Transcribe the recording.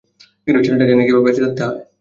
ছেলেটা জানে কীভাবে বেঁচে থাকতে হয়।